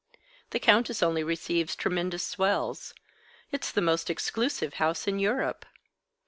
"The Countess only receives tremendous swells. It's the most exclusive house in Europe."